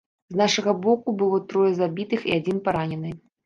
З нашага боку было трое забітых і адзін паранены.